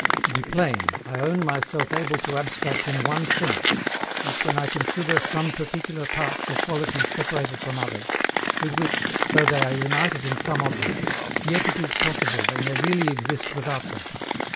To be plain, I own myself able to abstract IN ONE SENSE, as when I consider some particular parts or qualities separated from others, with which, though they are united in some object, yet it is possible they may really exist without them.